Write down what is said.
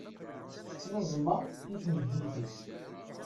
Tettneẓma i tmeddit-is.